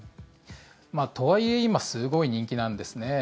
とはいえ今、すごい人気なんですね。